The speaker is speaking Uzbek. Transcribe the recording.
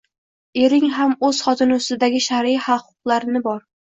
Erning ham o‘z xotini ustidagi shar'iy haq-huquqlarini bor.